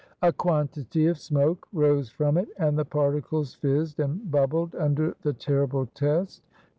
A quantity of smoke rose from it, and the particles fizzed and bubbled under the terrible test.